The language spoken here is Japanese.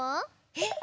えっ？